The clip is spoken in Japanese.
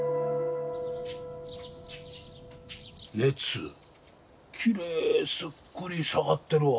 熱きれいすっくり下がってるわ。